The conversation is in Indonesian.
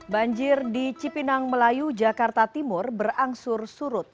banjir di cipinang melayu jakarta timur berangsur surut